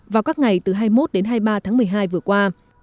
vào các ngày từ hai mươi một đến hai mươi ba tháng một mươi hai vừa qua